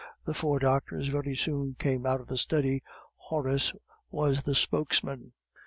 The four doctors very soon came out of the study; Horace was the spokesman.